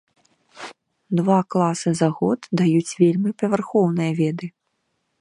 Два класы за год даюць вельмі павярхоўныя веды.